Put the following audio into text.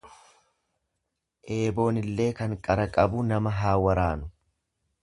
Eeboonillee kan qara qabu nama haa waraanu.